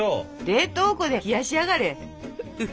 冷凍庫で冷やしやがれ。